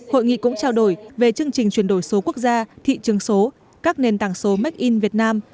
hội nghị cũng trao đổi về chương trình chuyển đổi số quốc gia thị trường số các nền tảng số make in việt nam